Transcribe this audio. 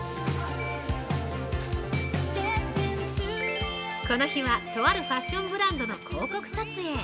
◆この日はとあるファッションブランドの広告撮影。